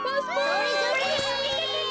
それそれ！